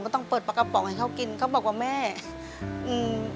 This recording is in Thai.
ต้องเปิดปลากระป๋องให้เขากินเขาบอกว่าแม่อืม